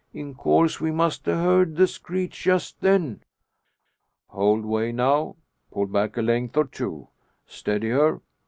In course we must a heard the screech just then." "Hold way now! Pull back a length or two. Steady her.